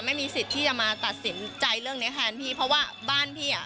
ไม่มีสิทธิ์ที่จะมาตัดสินใจเรื่องเนี้ยแทนพี่เพราะว่าบ้านพี่อ่ะ